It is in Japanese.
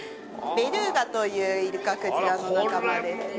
ベルーガというイルカクジラの仲間ですね。